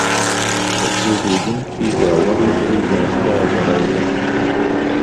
که پیرودونکی باور وکړي، دا ستا بری دی.